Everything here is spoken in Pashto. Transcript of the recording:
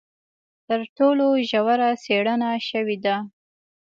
تر ټولو ژوره څېړنه شوې ده.